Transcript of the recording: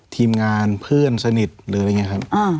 ทีมงานเพื่อนสนิทหรืออะไรอย่างนี้ครับ